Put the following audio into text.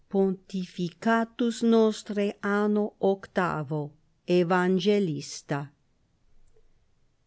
Pontificatus nostri anno octavo. — Evangelista.